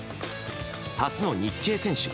初の日系選手